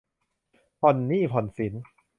ผ่อนหนี้ผ่อนสิน